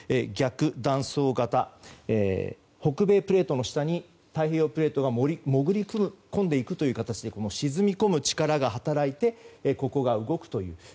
逆断層型、北米プレートの下に太平洋プレートが潜り込んでいくという形で沈み込む力が働いてここが動くという。